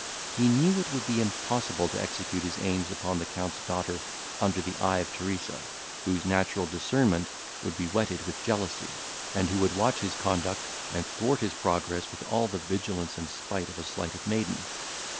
He knew it would be impossible to execute his aims upon the Count's daughter under the eye of Teresa, whose natural discernment would be whetted with jealousy, and who would watch his conduct, and thwart his progress with all the vigilance and spite of a slighted maiden.